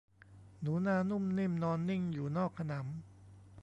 หนูนานุ่มนิ่มนอนนิ่งอยู่นอกขนำ